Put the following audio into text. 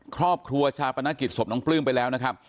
ครอบครัวชาปนกิจศพน้องปลื้มไปแล้วนะครับ